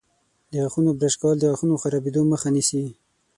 د غاښونو برش کول د غاښونو خرابیدو مخه نیسي.